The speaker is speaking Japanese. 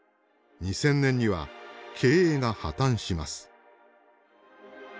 ２０００年には経営が破綻します。